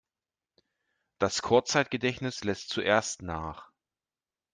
Das Kurzzeitgedächtnis lässt zuerst nach.